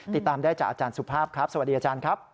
ติดตามได้จากอาจารย์สุภาพครับสวัสดีอาจารย์ครับ